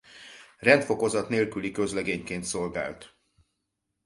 Rendfokozat nélküli közlegényként szolgált.